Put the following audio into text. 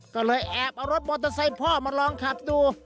ก็เลยแอบเอารถมอเตอร์ไซค์พ่อมาลองขับดู